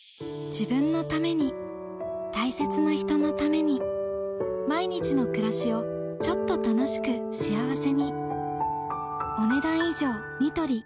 自分のために大切な人のために毎日の暮らしをちょっと楽しく幸せにあ！